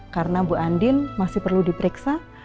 karena mbak andin masih perlu diperiksa